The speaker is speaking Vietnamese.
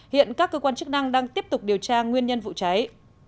hiện các cơ quan chức năng đang tiếp tục điều tra nguyên nhân vụ cháy